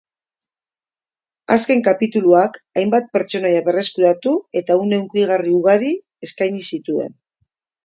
Azken kapituluak hainbat pertsonaia berreskuratu eta une hunkigarri ugari eskaini zituen.